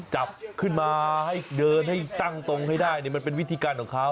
จับขึ้นมาให้เดินให้ตั้งตรงให้ได้มันเป็นวิธีการของเขา